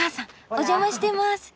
お邪魔してます。